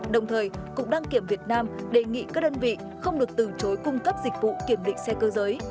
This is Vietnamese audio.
đồng thời cục đăng kiểm việt nam đề nghị các đơn vị không được từ chối cung cấp dịch vụ kiểm định xe cơ giới